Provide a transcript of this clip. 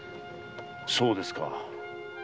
そうですか。